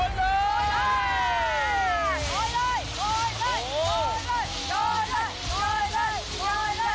สมา์ธาตุผมสองศิษย์